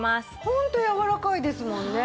ホントやわらかいですもんね。